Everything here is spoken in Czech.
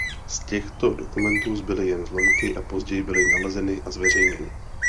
Z těch to dokumentů zbyly jen zlomky a později byly nalezeny a zveřejněny.